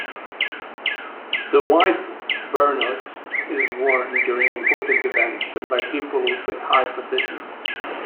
The white Burnous is worn during important events and by people with high positions.